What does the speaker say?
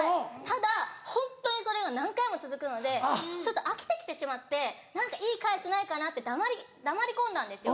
ただホントにそれが何回も続くのでちょっと飽きてきてしまって何かいい返しないかな？って黙り込んだんですよ。